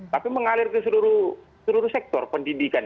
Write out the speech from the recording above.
tapi mengalir ke seluruh sektor pendidikan